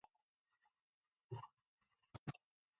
Governor John Garamendi to join his business delegation to China.